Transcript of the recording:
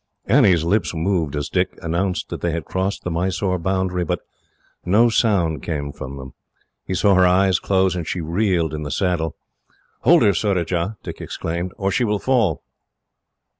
Annie's lips moved, as Dick announced that they had crossed the Mysore boundary, but no sound came from them. He saw her eyes close, and she reeled in the saddle. "Hold her, Surajah," Dick exclaimed, "or she will fall."